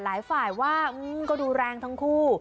หลายฝ่ายว่าก็ดูแรงทั้งคู่